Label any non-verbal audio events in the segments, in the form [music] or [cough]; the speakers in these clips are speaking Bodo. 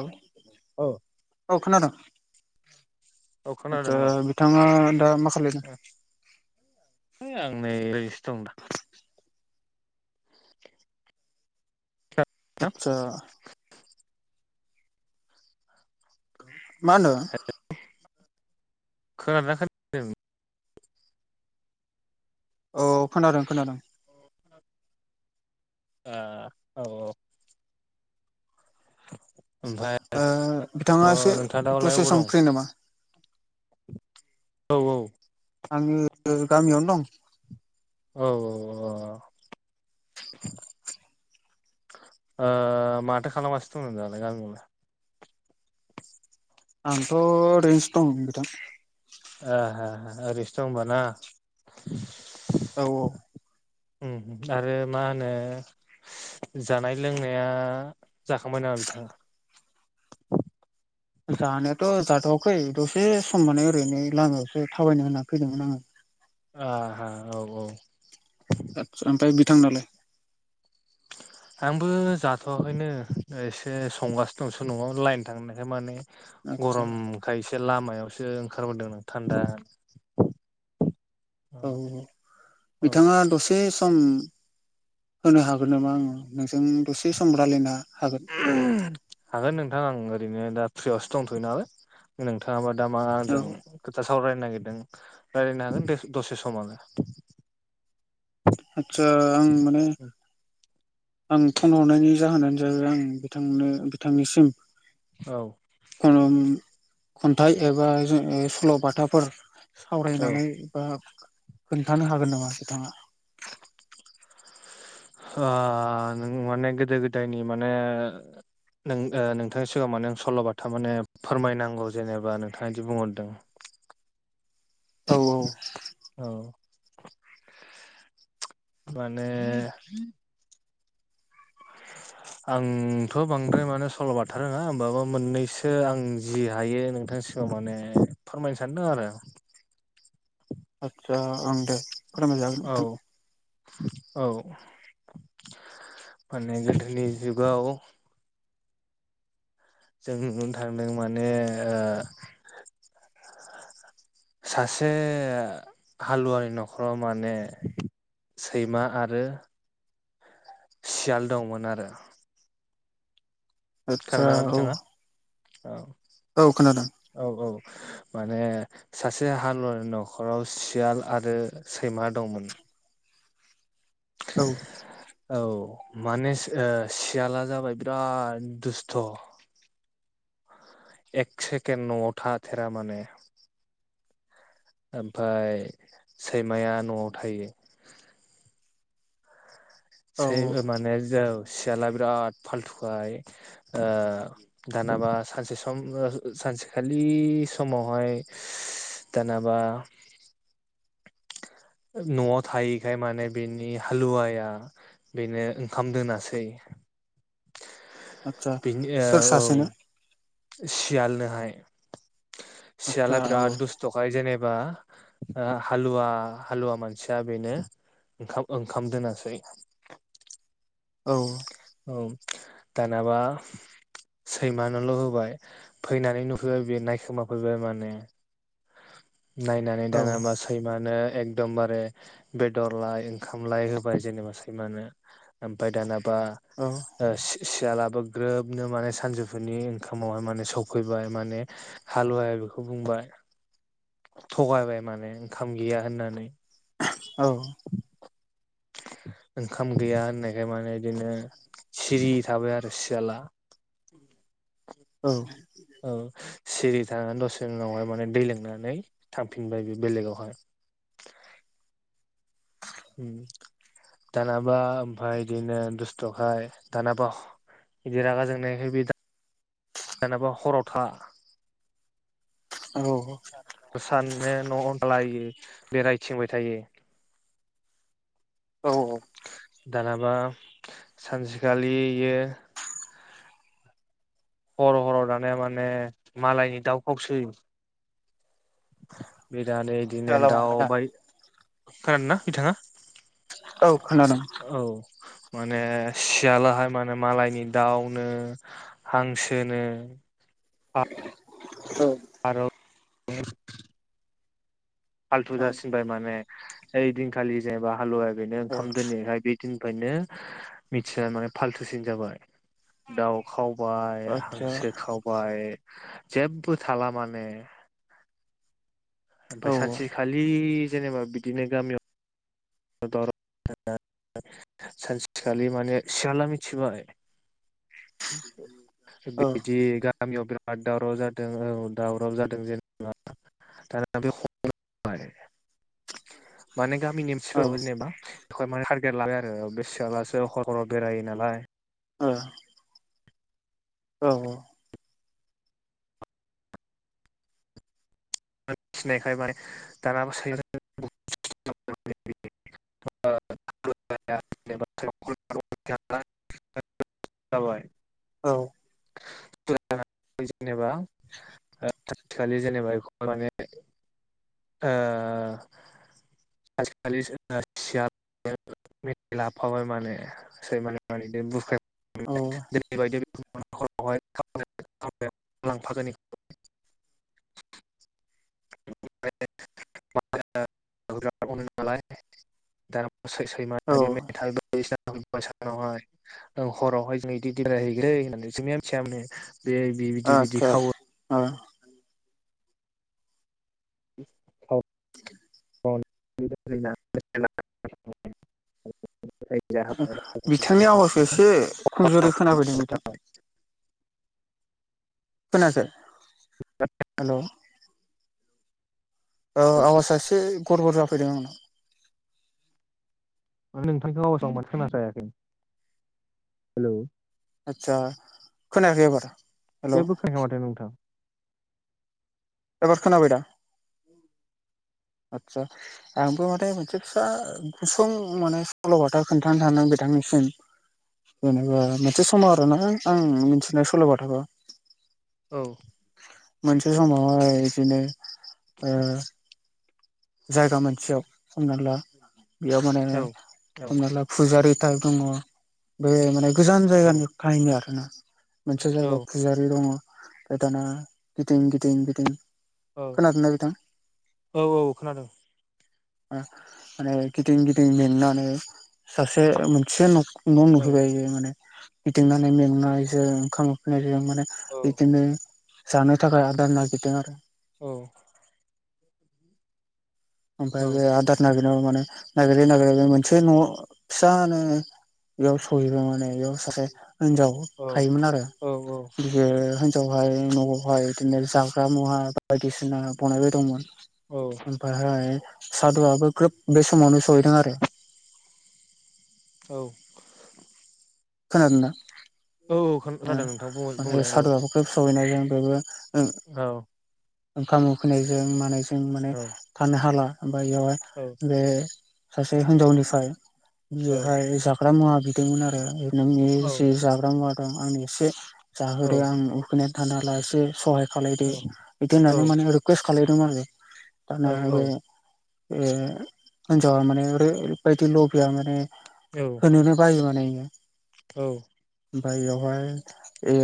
औ औ औ खोनादों औ खोनादों आदसा औ बिथाङा दा मा खालायदों आं नै रिस्थं दा [unintelligible] आरो [unintelligible] आतसा माहोनो खोनादोंना खोनायाखै होन्दों औ खोनादों खोनादों आ औ औ ओमफ्राय ओ अ बिथाङा एसे नोंथाङा दालाय दसे अबाव सम दं फ्रि नामा [inaudible] औ औ आङो गामियावनो दं औ औ अं अ ओ माथो खालामगासिनो दं दालाय गामियाव नोंलाय आंथ' ओरैनोसो दं नोंथां एह एह ओरैसो दं होनबा ना औ औ उम आरो मा होनो जानाय लोंनाया जाखांबाय नामा बिथाङा [inaudible] जानायाथ' जाथ'वाखै दसे सम माने ओरैनो लामायावसो थाबायनो होनना फैदोंमोन आङो आह हा औ औ आतसा ओमफाय बिथां नालाय आंबो जाथ'वाखैनो ओ एसे संगासिनो दंसो न'आव लाइन थांनायखाय माने आदसा औ गरमखाय एसे लामायावसो ओंखारबोदों थान्दानो औ बिथाङा दसे सम होनो हागोन नामा आङो नोंजों दसे सम रायलायना हागोन नोंथां आं ओरैनो दा फ्रियावसो दंथ'यो नालाय नोंथाङाबा दामा औ जों सावरायनो नागिरदों रायजलायनो हागोन दसे सम आनो आचसा आं माने आं फन हरनायनि जाहोनानो जाबाय आं बिथांनो बिथांनिसिम औ खन खन्थाइ एबा सल'बाथाफोर औ सावरायनानै बा खोन्थानो हागोन नामा बिथाङा [inaudible] ओ नों माने गोदो गोदायनि माने नों नोंथांनि सिगाङाव माने आं सल'बाथा माने फोरमायनांगौ जेनेबा नोंथाङा बिदि बुंहरदों [inaudible] औ औ औ माने [inaudible] आंथ' बांद्राय माने सल'बाथाथारोङा होनोमबाबो मोननैसो आं जि हायो नोंथां गोसोआव माने फोरमायनो सानदों आरो [inaudible] आचसा ओं दे फोरमाय जागोन औ नोंथां। औ माने गोदोनि जुगााव जोंनो थांदों माने सासे हालुवानि न'खराव माने सैमा आरो सियाल दंमोन आरो आतसा खोनादोंना औ। बिथाङा औ औ खोनादों औ औ माने सासे हालुवनि न'खराव सियाल आरो सैमा दंमोन औ औ माने ओ सियाला जाबाय बिराद दुस्थ' एक सेकेण्ड नआव थाथेरा माने ओमफाय सैमाया न'आव थायो औ माने औ सियाला बिराद फालथुखाय ओ दानाबा सानसे सम सानसेखालि समावहाय दानाबा [inaudible] न'आव थायैखाय माने बेनि हालुवाया बेनो ओंखाम दोनासै आचसा बेनि सोर ओ औ सासेनो सियालनोहाय आदसा सयाला औ बिराद दुस्थखायजेन एबा हालुवा हालुवा मानसिया बेनो ओंखाम ओंखाम दोनासै औ। औ दानाबा सैमानोल' होबाय फैनानै नुफैबाय बियो नायखोमाफैबाय माने नायनानै औ दानाबा सैमानो एक दमबारे बेदरलाय ओंखामलाय होबाय जेनेबा सैमानो ओमफ्राय दाना बा ओ सि सि सियालाबो ग्रोबनो माने सानजौफोरनि ओंखामावहाय माने सौफैबाय माने हालुवाया बेखौ बुंबाय थगायबाय माने ओंखाम गैया होननानै। औ। ओंखाम गैया होननायखाय माने बिदिनो सिरि थाबाय आरो सियाला। औ। ओं सिरि थानानै दसे उनावहाय माने दै लोंनानै थांफिनबाय बे बेलेगावहाय [unintelligible] उम्म दानाबा ओमफफ्राय बिदिनो दुस्थ'खाय दानाबा बिदि रागा जोंनाय खाय बि दा दानाबा हराव था औ। साननो [unintelligible] बेरायथिंबाय थायो। औ औ। [unintelligible] सानसेखालि इयो हर' हर' दानेया माने मालायनि दाउ खावसै। बे दानो इदिनो जाला दाउ मानोना बाय खोनादोना बिथांङा? औ खोनादों। माने सियालाहाय माने मालायनि दाउनो हांसोनो [unintelligible] औ। [unintelligible] फाल्थु औ जासिनबाय माने ओइ दिनखालि जेनेबा हालुवाया बेनो औ ओंखाम दोनैहाय बे [unintelligible] मिथिना माने फालथुसिन जाबाय दाउ खाव बाय आदसा हांसो खावबाय जेबबो थाला माने ओमफफ्राय औ सानसेखालि जेनेबा बिदिनो गामियाव [unintelligible] [unintelligible] सानसेखालि माने सियाला मिथिबाय। औ बिदि गामियाव बिराद बाद दावराव जादों औ दावराव जादों जेनेबा [unintelligible] माने गामिनि मानसिफोराबो जेनेबा बेखौहाय माने टारगेट लाबाय आरो बे सियालासो ह'र ह'राव बेरायो नालाय। ओ औ। [unintelligible] सिनायखायो माने दानाबा [inaudible] [inaudible] [inaudible] औ। [inaudible] जेनेबा [inaudible] सानसेखालि जेनेबा इखो माने ओह सानसेखालि जोंङो सियाल लाफाबाय माने सैमानि औ [inaudible] [inaudible] [inaudible] नालाय औ [unintelligible] मेथाय बायदिसिना सानावहाय हरावहाय जों [unintelligible] जे बिदि बिदि आदसा खावो [unintelligible] औ [unintelligible] [unintelligible] बिथांनि आवाजखो एसे खमजुरि नोंथांखौ खोनाफैदों नोंथां खोनायाखै हेल ओ आवाजा एसे गरबर जाफैदों आंनाव नोंथांनि आवाजाव माथो खोनाफैयाखै हेलौ आतसा खोनायाखै एबार हेल' जेबो खोनाया माथो नोंथां एबार खोनाबायदा आदसा आंबो माने मोनसे फिसा गुसुं माने सल'बाथा खोन्थानो सानदों आंनिसिम जेनेबा मोनसे समाव आरोना आं मिथिनाय सल'बाथाखौ औ मोनसे समावहाय बिदिनो ओ जायगा मोनसेयाव हमना ला बेयाव माने औ औ हमना ला फुजारि दङ बे माने गोजान औ जायगानिफ्रायनो आरोना मोनसे औ जायगाव फुजारि दङ ओमफ्राय दाना गिदिं गिदिं गिदिं औ खोनादोंना बिथां औ औ खोनादों ओ माने गिदिं गिदिं मेंनानै सासे मोनसे न' न औ नुहैबाय माने गिदिंनानै मेंनायजों ओंखाम उखैनायजों माने औ बिदिनो जानो थाखाय आदार नागिरदों आरो औ ओमफ्राय औ बे आदार नागिरनायाव माने नागिरै नागिरै मोनसे न' फिसा नो बेयाव सहैबाय माने बेयाव सासे हिनजाव औ थायोमोन आरो बियो न'आवहाय बिदिनो जाग्रा मुवा बायदिसिना बनायबाय दंमोन औ ओमफ्राय सादुआबो ग्रोब बे समावनो सहैदों आरो औ खोनादों ना औ ओ खोनादों नोंथां माने बुंलाय औ सादुआबो ग्रोब सहैनाय जों बेबो औ ओंखाम उखैनायजों मानायजों माने औ थानो हाला बा इयावहाय औ बे सासे हिनजावनिफ्राय बियोहाय जाग्रा मुवा बिदोंमोन आरो नोंनि औ जि जाग्रा मुवा दं आं एसे औ जाहोदो आं उखैनानै थानो हाला एसे सहाय खालायदो औ बिदि होननानै माने रिकुवेस्ट खालायदोंमोन आरो दाना औ बे औ ए होनजावा माने ओरैबायदि लभिया माने होनोनो बायो माने बेयो ओमफाय बेयावहाय ओ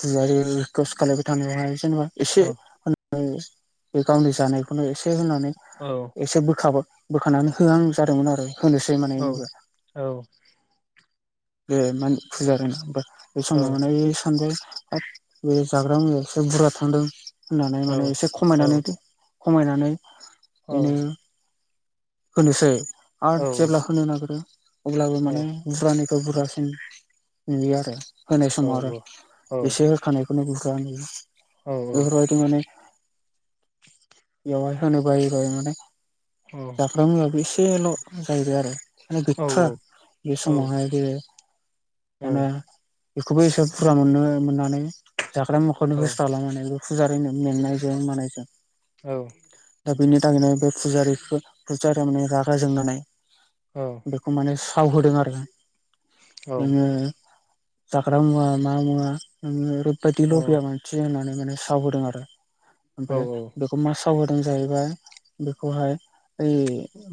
फुजारि रिखुएस खालायबाय थानायावहाय जेनेबा एसे होन बे गांनै जानायखौनो एसे होनानै एसे बोखाब बोखानानै होआं जादोंमोन आरो होनोसै माने बेनोबो बे मानिक फुजारि बे समाव माने सानदों हाब बे जाग्रा मुवाया एसे बुरजा थांदों होननानै माने एसे खमायनानै खमायनानै बेनो होनोसै आरो जेब्ला होनो नागिरो अब्लाबो माने बे बुरजासिन नुयो आरो होनाय समाव आरो औ औ एसे होखानायखौनो [unintelligible] औ बेफोरबायदि माने बेयावहाय हानो बायो बायो माने जाग्रा मुवायाबो एसेल' जाहैबाय आरो माने गैथारा बे समावहाय बे माने बेखौबो एसे फुरा मोननो मोननानै जाग्रा मुवाखौनो होस्राला माने बे फुजारिनो। मेंनायजों मानायजों बिनि थाखायनो बे फुजारिखौ फुजारिया माने रागा जोंनानै बेखौ माने ताव होदों आरोना औ जाग्रा मुवा मा मुवा नोङो [unintelligible] लभिया मानसि होननानै माने सावहोदों आरो ओमप्राय बेखौ मा सा साव होदों जाहैबाय बेखौहाय ओइ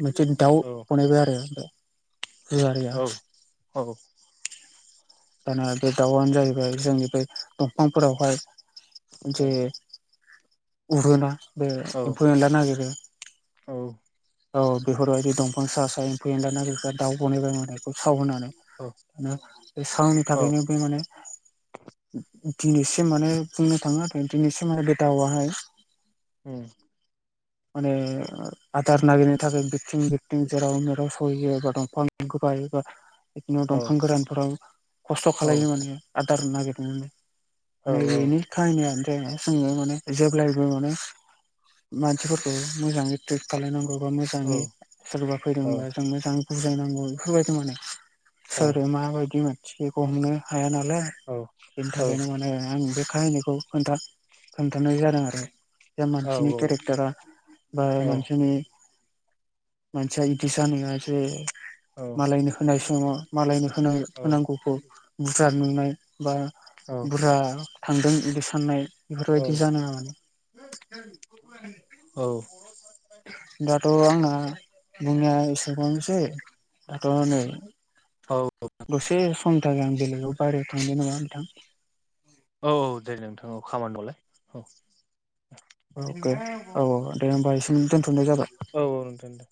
मोनसे दाउ बनायबाय आरो फुजारिया औ औ। दाना बे दाउआनो जाहैबाय जोंनि बे दंफांफोरावहाय जे उरोना बे एम्फौ एनला नागिरो औ बेफोरबायदि दंफां सा सा फैयोन दाना दाउ बानायबाय माने बेखौ सावहोनानै ना बे सावनि थाखायनो बे माने दिनैसिम माने बुंनो थाङो आरो दिनैसिम माने बे दाउआहाय माने आदार नागिरनो थाखाय बिरथिं बिरथिं जेराव मेराव सहैयो बा दंफां बाहैबा बिदिनो दंफां गोरानफोराव खस्थ' खालायो माने आदार नागिरनानै माने इनि काहिनियानो [unintelligible] जोङो माने जेब्लायबो माने मानसिफोरखौ मोजाङै ट्रिट खालायनांगौ बा मोजाङै सोरबा फैदोंबा जों मोजां बुजायनांगौ इफोरबायदि माने। सोर माबायदि मानसिखौ हमनो हाया नालाय बेनि थाखायनो माने आं बे खाहायनिखौ खोन्था खोन्थानाय जादों आरो। जे मानसिनि केरेक्टारा बा मानसिनि मानसिया इदि जानो नाङा जे मालायनि होनाय समाव मालायनि होनाय होनांगौखौ बुरजा नुनाय बा बुरजा थांदों इदि साननाय इफोरबायदि जानाङा माने। दा त' आंना बुंनाया इसेबांनोसै दाथ' नै दसे समनि थाखाय आं बेलेगाव बाहेरायाव थांनो नामा नोंथां? औ औ दे नोंथां औ खामानि मावलाय औ। अके औ औ दे होमबा एसेनो दोनथ' औ औ दोन दे।